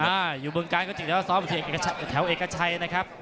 อ่าอยู่บึงการก็สร้อยกับแถวเอกชัยนะครับ